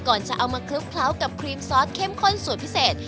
ก่อนจะเอามาคลุกเคล้ากับครีมซอสเข้มข้นสูตรพิเศษ